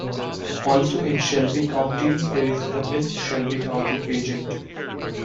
Also in Shelby County there is the Miss Shelby County Pageant.